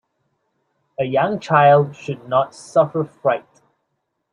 A young child should not suffer fright.